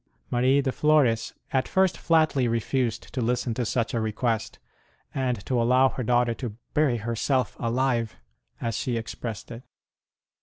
Marie de Flores at first flatly refused to listen to such a request, and to allow her daughter to bury herself alive, 1 as she expressed it.